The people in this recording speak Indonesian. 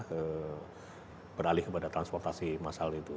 kita berpindah ke transportasi masal itu